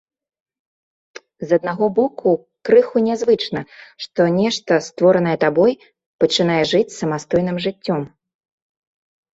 З аднаго боку, крыху нязвычна, што нешта, створанае табой, пачынае жыць самастойным жыццём.